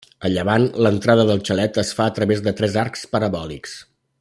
A llevant, l'entrada del xalet es fa a través de tres arcs parabòlics.